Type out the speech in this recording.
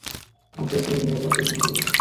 আগ্রার ছেলে মেয়েরা পড়ার চেয়ে সিনেমা বেশি দেখে।